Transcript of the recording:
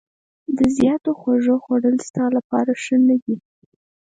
د زیاتو خوږو خوړل ستا لپاره ښه نه دي.